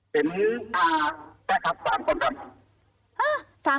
เป็น๓คนครับ